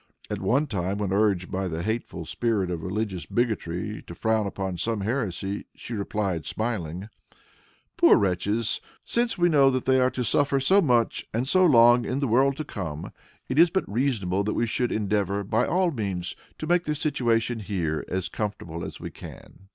At one time, when urged by the hateful spirit of religious bigotry to frown upon some heresy, she replied smiling, "Poor wretches! since we know that they are to suffer so much and so long in the world to come, it is but reasonable that we should endeavor, by all means, to make their situation here as comfortable as we can."